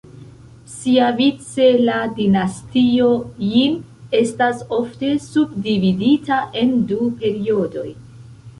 Siavice, la Dinastio Jin estas ofte subdividita en du periodoj.